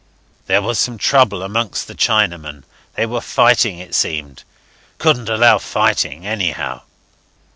There was some trouble amongst the Chinamen. They were fighting, it seemed. Couldn't allow fighting anyhow.